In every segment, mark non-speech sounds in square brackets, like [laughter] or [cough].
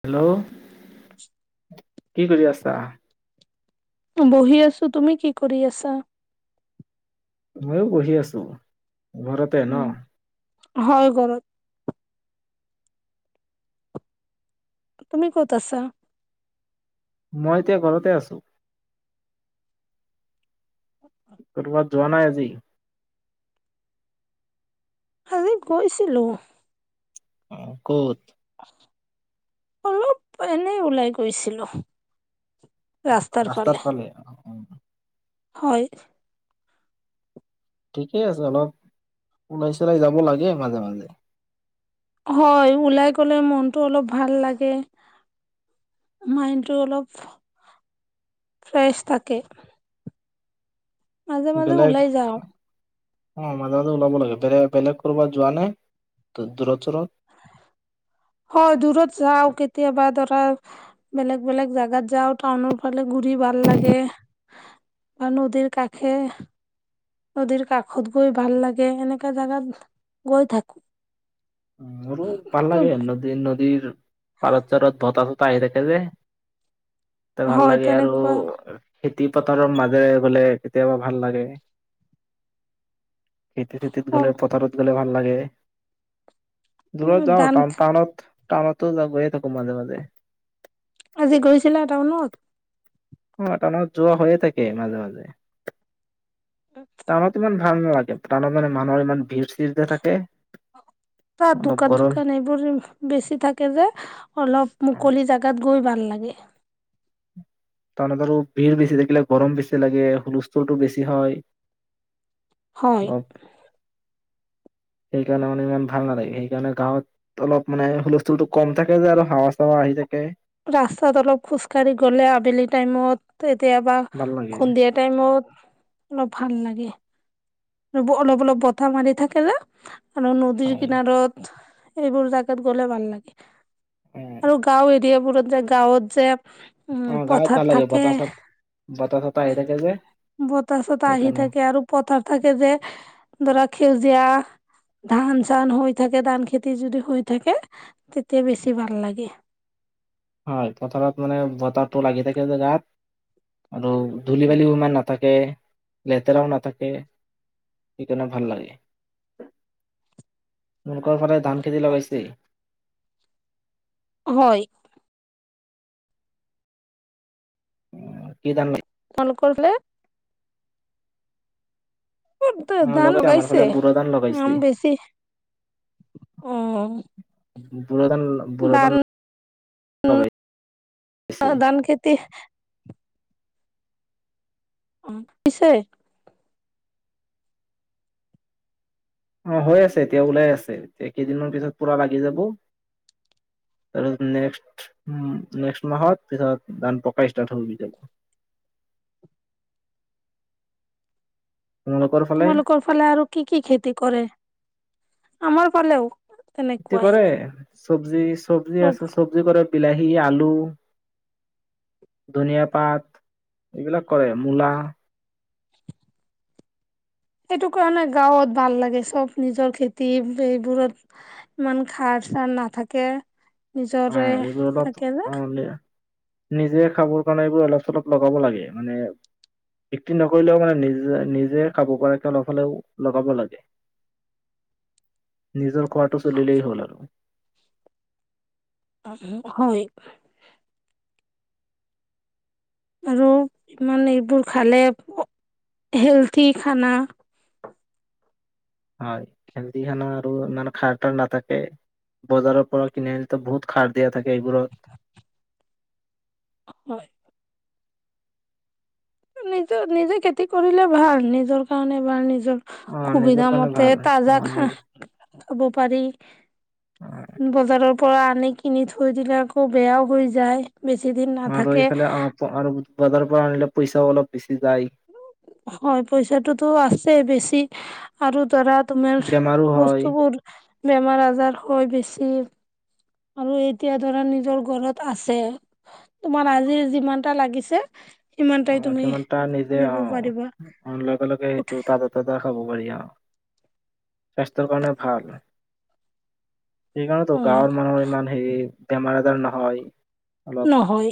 Hello. [inaudible] কি কৰি আছা। বহি আছো, তুমি কি কৰি আছা? ময়ো বহি আছোঁ। ঘৰতে ন। উম। হয় ঘৰত। তুমি ক'ত আছা? মই এতিয়া ঘৰতে আছোঁ। কৰবাত যোৱা নাই আজি। আজি গৈছিলো। অ ক'ত। অলপ এনে ওলাই গৈছিলো। ৰাস্তাৰ ফালে। অ, হয়। ঠিকে আছে অলপ ওলাই চোলাই যাব লাগে মাজে মাজে হয় ওলাই গ'লে মনটো অলপ ভাল লাগে মাইণ্ডটো অলপ ফ্ৰেছ থাকে মাজে মাজে বেলেগ উলাই যাওঁ অ মাজে মাজে ওলাব লাগে বেলেগ বেলেগ ক'ৰবাত যোৱা নে দু দূৰত চৰত হয় দূৰত যাওঁ কেতিয়াবা ধৰা বেলেগ বেলেগ জাগাত যাও টাউনৰ ফালে ঘুৰি ভাল লাগে বা নদীৰ কাষে নদীৰ কাষত গৈ ভাল লাগে এনেকা জাগাত গৈ থাকো উ মোৰো পাল লাগে নদীৰ নদীৰ পাৰত চাৰত বতাহ চতা আহি থাকে যে ভাল হয় লাগে আৰু তেনেকুৱা খেতি পথাৰৰ মাজেৰে গ'লে কেতিয়াবা ভাল লাগে। খেতি চেতিত অ গ'লে পথাৰত গ'লে ভাল লাগে। দূৰত যাওঁ দান টা টাউনত টাউনত তো য গৈয়ে থাকো মাজে মাজে আজি গৈছিলা টাউনত অ টাউনত যোৱা হৈয়ে থাকে মাজে মাজে টানত ইমান ভাল নালাগে টানত মানে মানুহৰ ইমান ভিৰ চিৰ যে থাকে [inaudible] ত অলপ দোকান গৰম চোকান এইবোৰ বেছি থাকে যে অলপ মুকলি জাগাত গৈ ভাল লাগে [inaudible] টাউনত আৰু ভিৰ বেছি থাকিলে গৰম বেছি লাগে হুলস্থুলটো বেছি হয় হয়। অলপ সেইকাৰণে মানে ইমান ভাল নালাগে সেইকাৰণে গাঁৱত অলপ মানে হুলস্থুলতো কম থাকে যে আৰু হাৱা চাৱা আহি থাকে ৰাস্তাত অলপ খোজকাঢ়ি গলে আবেলি টাইমত তেতিয়াবা ভাল লাগে সন্ধিয়া টাইমত [inaudible] ভাল লাগে ৰ অলপ অলপ বতাহ মাৰি থাকে যে আৰু নদীৰ হয় কিনাৰত এইবোৰ জাগাত গ'লে ভাল লাগে উম আৰু গাঁও [inaudible] দিয়বোৰত যে গাঁৱত যে [inaudible] অ গাঁৱত পথাৰ ভাল লাগে থাকে বতাহ [inaudible] বতাহ চতাহ আহি থাকে যে। বতাহ চতাহ আহি সেইকাৰণে থাকে আৰু পথাৰ থাকে যে ধৰা সেউজীয়া ধান চান হৈ থাকে ধান খেতি যদি হৈ থাকে তেতিয়া বেছি ভাল লাগে হয় পথাৰত মানে বতাহটো লাগি থাকে যে গাত আৰু ধূলি উম, বালিও ইমান নাথাকে [inaudible] লেতেৰাও নাথাকে সেইকাৰণে ভাল লাগে [unintelligible] ফালে ধান খেতি লগাইছে? হয়। কি ধান লা নকল বোলে অ তে ধান আমাৰ লগাইছে। ফালে বুৰ ধান লগাইছে আম বেছি অ। উম। ধান, লগাইছে আহ ধান খেতি অ, পিছে অ হৈ আছে এতিয়াও ওলাই আছে এই কেইদিনৰ ভিতৰত পুৰা লাগি যাব। তাৰপিছত নেক্সট নেক্সট মাহত পিছত ধান পকা ষ্টাৰ্ট হৈ যাব। তোমালোকৰ ফালে তোমালোকৰ ফালে আৰু কি কি খেতি কৰে? আমাৰ ফালেও খেতি তেনেকুৱাই কৰে। চবজি, চবজি আছে। চবজি কৰে। বিলাহী, আলু, ধনিয়া পাত এইবিলাক কৰে। মূলা, সেইটো কাৰণে গাঁৱত ভাল লাগে চব নিজৰ খেতি এইবোৰত ইমান খাৰ-চাৰ নাথাকে, অ নিজৰে এইবোৰ অলপ থাকে যে। অ নিজে খাবৰ কাৰণে এইবোৰ অলপ চলপ লগাব লাগে। মানে বিক্ৰী নকৰিলেও মানে নিজে নিজে খাব পৰাকে অলপ হ'লেও লগাব লাগে। নিজৰ খোৱাটো চলিলেই হ'ল আৰু। অ--হয়। আৰু ইমান এইবোৰ খালে, হেল্থি খানা, হয় হেল্থি খানা আৰু ইমান খাৰ তাৰ নাথাকে। বজাৰৰ পৰা কিনি আনিলে তো বহুত খাৰ দিয়া থাকে এইবোৰত। হয়। নিজে, নিজে খেতি কৰিলে ভাল। নিজৰ কাৰণে ভাল নিজৰ অ সুবিধা নিজৰ কাৰনে ভাল। অ নিজৰ হ'ব পাৰি। বজাৰৰ পৰা আনি কিনি থৈ দিলে আকৌ বেয়াও হৈ যায়। বেছি দিন আৰু নাথাকে এইফালে, আ প আৰু বজাৰৰ পৰা আনিলে পইছাও অলপ বেছি যায়। হয় পইচাটোতো আছেই। বেছি, আৰু ধৰা তোমাৰ বেমাৰো হয় বস্তুবোৰ বেমাৰ আজাৰ হয় বেছি। আৰু এতিয়া ধৰা নিজৰ ঘৰত আছে। তোমাৰ আজি যিমানটা লাগিছে, অ, সিমানটাই তুমি কিমানটা নিজে, আনিব অ। পাৰিবা অ লগে লগে সেইটো উঠাই তাজা তাজা খাব পাৰি আৰু। স্বাস্থ্যৰ কাৰণে ভাল। সেইকাৰণেতো অ গাঁৱৰ মানুহৰ ইমান হেৰি, বেমাৰ-আজাৰ নহয়। অলপ। নহয়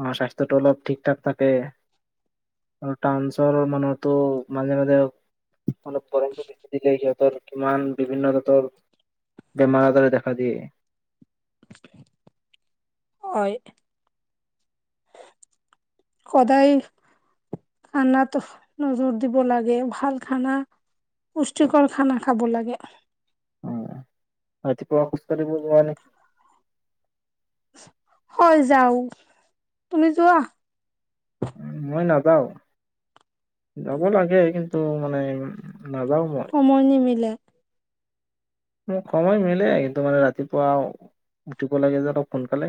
অ স্বাস্থ্য টো অলপ ঠিক ঠাক থাকে আৰু টাউঞ্চৰ মানুহো মাজে মাজে মানে পৰমটো বেছি দিলি কিমান বিভিন্ন জাতৰ বেমাৰ আজাৰে দেখা দিয়ে হয় সদায় খানাত নজৰ দিব লাগে ভাল খানা পুষ্টিকৰ খানা খাব লাগে অ ৰাতিপুৱা খুচ কাঢ়িব নোৱাৰোঁ হয় যাও তুমি যোৱা মই নাযাওঁ যাব লাগে কিন্তু তটো মানে সময় নিমিলে মোক সময় মিলে কিন্তু মানে ৰাতিপুৱা উঠিব লাগে যে অলপ সোনকালে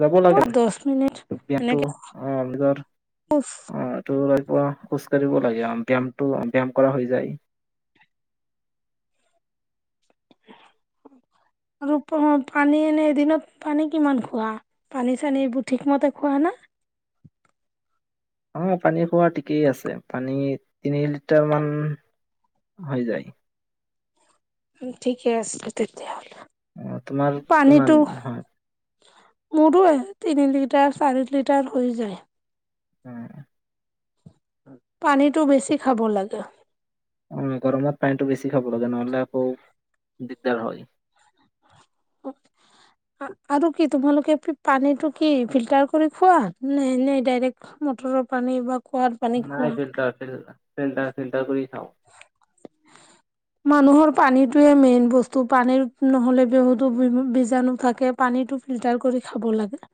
যাব মই দহ মিনিট লাগেটো এনেকে অজাৰ খোজ অ এইটো প খোজ কাঢ়িব লাগে ব্যায়ামটো ব্যায়াম কৰা হৈ যায় আৰু পানী এনে এদিনত পানী কিমান খোৱা পানী চানী এইবোৰ ঠিকমতে খোৱা না অ পানী খোৱা ঠিকেই আছে পানী তিনি লিটাৰ মান হৈ যায় ঠিকে আছে তেতিয়াহ'লে অ তোমাৰ কিমান হয় মোৰো তিনি লিটাৰ চাৰি লিটাৰ হৈ যায় উম পানীটো বেছি খাব লাগে ম গৰমত পানীটো বেছি খাব লাগে নহলে আকৌ দিগদাৰ হয় আৰু কি তোমালোকে পানীটো কি ফিল্টাৰ কৰি খোৱা নে নে ডাইৰেক্ট মটৰৰ পানী বা কুঁৱাৰ পানী খোৱা নাইছিলতছিলা ফিলডা ফিলধা কৰি খাওঁ মানুহৰ পানীটোৱে মেইন বস্তু পানীৰ নহলে বহুতো বীজাণু থাকে পানীতটো ফিল্টাৰ কৰি খাব লাগে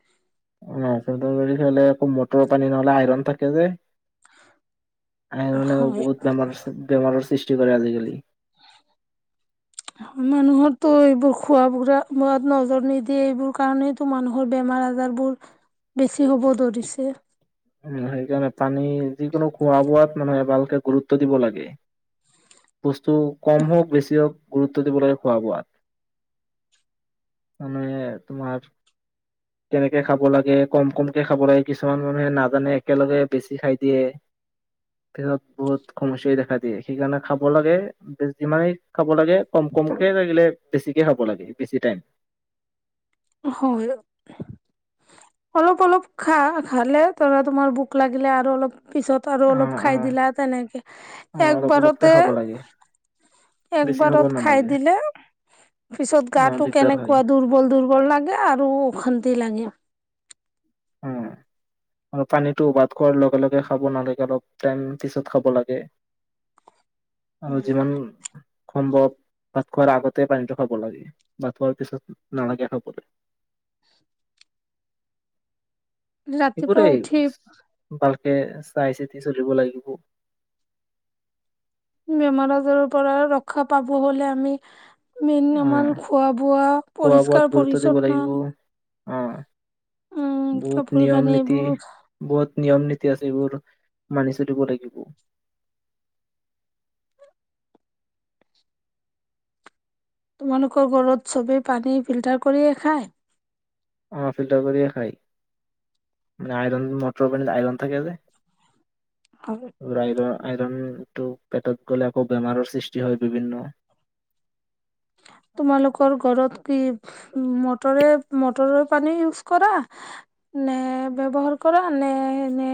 নলে একো মটৰৰ পানী নহ'লে আইৰণ থাকে যে সেয়ে আইৰণে হয় বহুত বেমাৰ বেমাৰৰ সৃষ্টি সৃষ্টিকৰে আজিকালি মানুহৰো এইবোৰ খোৱা বাত নজৰ নিদিয়ে এইবোৰ কাৰণো মানুহৰ বেমাৰ আজাৰ বোৰ বেছি হব ধৰিছে উম সেইকাৰণে পানী যিকোনো খোৱা বোৱাত মানুহে ভালকে গুৰুত্ব দিব লাগে পুষ্ট ত' কম হওক বেছি হওক গুৰুত্ব দিব লাগে খোৱা বোৱাত মানুহে তোমাৰ কেনেকে খাব লাগে কম কমকে খাব লাগে কিছুমান মানুহে নাজানে একেলগে বেছি খাই দিয়ে পছত বহুত সমস্যাই দেখা দিয়ে সেইকাৰণে খাব লাগে বেছিমানে খাব লাগে কম কমকে লাগিলে বেছিকে হব লাগে বেছি টাইম হয় অলপ অলপ খা খালে ধৰা তোমাৰ ভোক লাগিলে আৰু অলপ পিছত আৰু অ অলপ অ খাই দিলা তেনেকে অ অলপ অলপকে একবাৰতে খাব লাগে বেছি খাব একবাৰত খাই নালাগে দিলে পিছত অ গাটো দিগদাৰ হয় কেনেকুৱা দুৰ্বল দুৰ্বল লাগে আৰু অশান্তি লাগে উম আৰু পানীটো ভাত খোৱাৰ লগে লগে খাব নালাগে অলপ টাইম পিছত খাব লাগে আৰু যিমান সম্ভৱ ভাত খোৱাৰ আগতে পানীটো খাব লাগে ভাত খোৱাৰ পিছত নালাগে খাবলৈ ৰাতিপুৱা উঠি তে চাই চিতি চলিব লাগিব বেমাৰ আজাৰৰ পৰা ৰক্ষা পাব হলে আমি মেইন আমাৰ খোৱা বোৱা পৰিষ্কাৰ পৰিচ্ছন্ন উম উম বহুত কাপোৰ নিয়ম কানি নীতি এইবোৰ বহুত নিয়ম নীতি আছে এইবোৰ মানি চলিব লাগিব তোমালোকৰ ঘৰত চবেই পানী ফিল্টাৰ কৰিয়েই খায় উম্ ফিল্টাৰ কৰিয়ে খাই মানে আইৰন মটৰৰ পানীত আইৰন থাকে আৰু যে আইৰণ সেইটো পেটত গ'লে আকৌ বেমাৰৰ সৃষ্টি হয় বিভিন্ন তোমালোকৰ ঘৰত কি মটৰে মটৰৰ পানী ইউজ কৰা নে ব্যৱহাৰ কৰা নে এ নে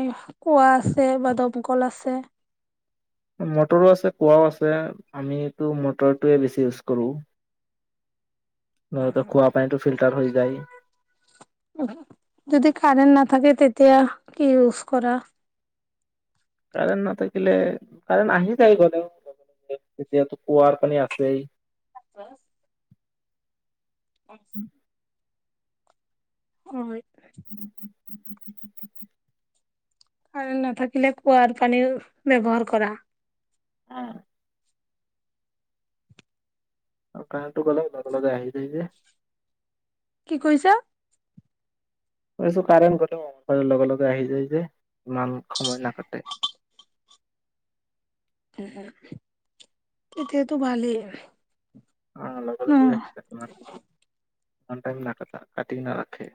কুঁৱা আছে বা দমকল আছে মটৰো আছে কুঁৱাও আছে আমিতো মটৰটোৱে বেছি ইউজ কৰোঁ আহ যায় যদি কাৰেণ্ট নাথাকে তেতিয়া তিয়া কি ইউজ কৰা কাৰেণ্ট নাথাকিলে কাৰেণ্ট আহি যায় গলেও তেতিয়াতো কুঁৱাৰ পানী আছেই আছে ব অ হয় উ উ উ উ উ [unintelligible] কাৰেণ্ট নাথাকিলে কুঁৱাৰ পানী ব্যৱহাৰ কৰা অহ্ কাৰেণ্টটো গলে লগে লগে আহি যাই যে কি কৈছা মই কৈছোঁ কাৰেণ্ট গ'লেও অলপতে লগে লগে আহি যায় যে ইমান সময় নাকাটে উ তেতিয়াতো ভালেই অহ লগা ন লাগি আহি যাই ইমান টাইম নাকাটা কাটি নাৰাখে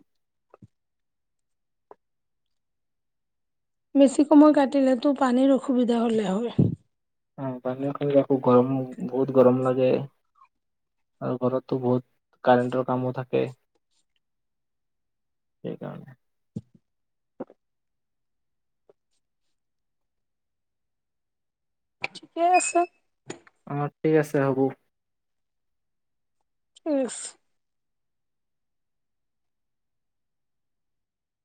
বেছি সময় কাটিলেতো পানীৰ অসুবিধা হ'লে হয় অহ পানী খালে আকৌ গৰম বহুত গৰম লাগে আৰু ঘৰতো বহুত কাৰেণ্টৰ কামো থাকে সেইকাৰণে ঠিকেই আছে অ ঠিক আছে হ'ব ইচ্